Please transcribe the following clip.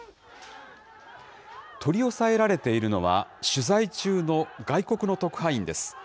取り押さえられているのは、取材中の外国の特派員です。